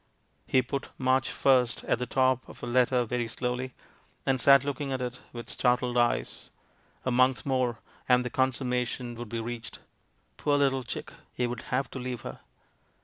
He put "March 1st" at the top of a letter veiy slowly, and sat looking at it with startled eyes. A month more, and the consummation would be reached. Poor little Chick, he would have to leave her